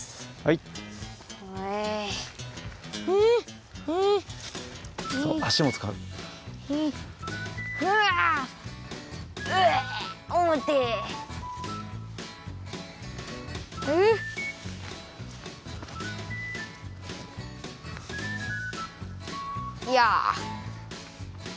いや。